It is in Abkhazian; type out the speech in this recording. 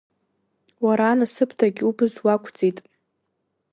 Уара анасыԥдагьы убз уақәӡит!